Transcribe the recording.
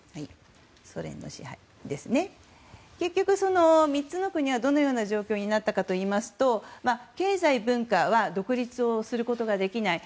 結局、３つの国はどのような状況になったかといいますと経済・文化は独立をすることができない。